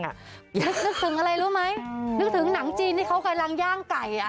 นึกถึงอะไรรู้ไหมนึกถึงหนังจีนที่เขากำลังย่างไก่อ่ะ